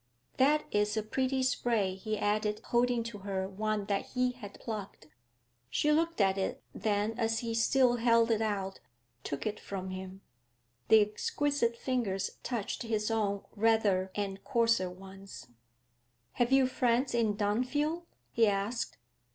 'That is a pretty spray,' he added, holding to her one that he had plucked. She looked at it; then, as he still held it out, took it from him. The exquisite fingers touched his own redder and coarser ones. 'Have you friends in Dunfield?' he asked.